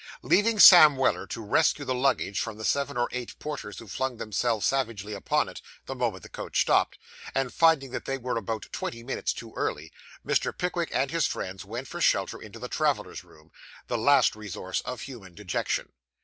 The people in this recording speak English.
Leaving Sam Weller to rescue the luggage from the seven or eight porters who flung themselves savagely upon it, the moment the coach stopped, and finding that they were about twenty minutes too early, Mr. Pickwick and his friends went for shelter into the travellers' room the last resource of human dejection.